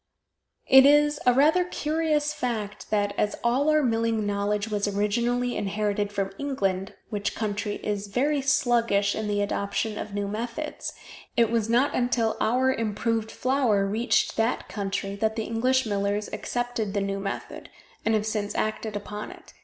It is a rather curious fact that, as all our milling knowledge was originally inherited from England, which country is very sluggish in the adoption of new methods, it was not until our improved flour reached that country that the English millers accepted the new method, and have since acted upon it.